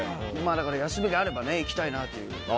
休みがあれば行きたいなという。